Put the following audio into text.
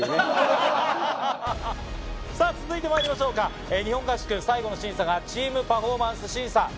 続いてまいりましょうか日本合宿最後の審査がチーム・パフォーマンス審査。